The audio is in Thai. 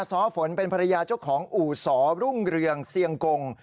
ซ้อฝนเป็นภรรยาเจ้าของอู่สอรุ่งเรืองเซียงกง